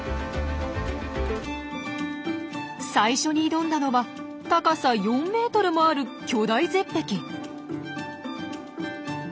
最初に挑んだのは高さ４ｍもある巨大絶壁。